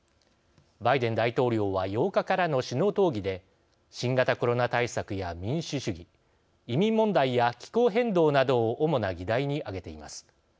バイデン大統領は８日からの首脳討議で新型コロナ対策や民主主義移民問題や気候変動などを主な議題に挙げています。